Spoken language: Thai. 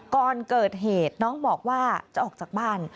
ก่อนเกิดเหตุน้องบอกว่าจะออกจากบ้าน